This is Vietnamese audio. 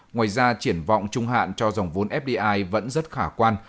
ngoài ra triển vọng trung hạn cho dòng vốn fdi vẫn rất khả quan